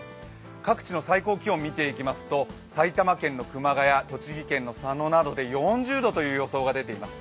各地の最高気温を見ていきますと埼玉県の熊谷、栃木県の佐野などで４０度という予想が出ています。